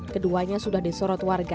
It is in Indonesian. keduanya sudah disorot warga